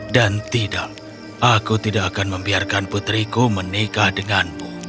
dan tidak aku tidak akan membiarkan putriku menikah denganmu